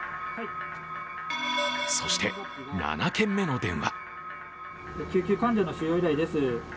そして７件目の電話。